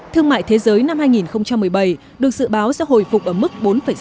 thương mại thế giới năm hai nghìn một mươi bảy được dự báo sẽ hồi phục ở mức bốn sáu